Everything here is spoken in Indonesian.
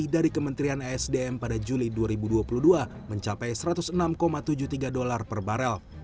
dari kementerian esdm pada juli dua ribu dua puluh dua mencapai satu ratus enam tujuh puluh tiga dolar per barel